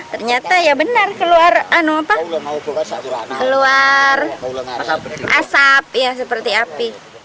ternyata ya benar keluar asap seperti api